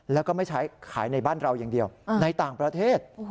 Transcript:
แล้วก็ไม่ใช้ขายในบ้านเราอย่างเดียวในต่างประเทศ